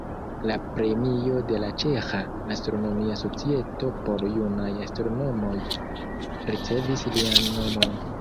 La premio de la Ĉeĥa Astronomia Societo por junaj astronomoj ricevis lian nomon.